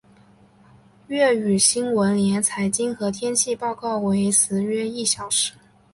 粤语新闻连财经和天气报告为时约一小时。